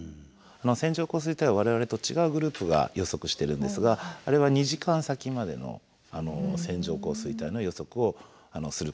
線状降水帯は我々と違うグループが予測してるんですがあれは２時間先までの線状降水帯の予測をすることが可能です。